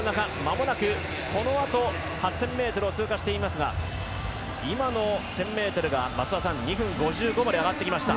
このあと８０００ｍを通過していきますが今の１０００ｍが増田さん２分５５まで上がってきました。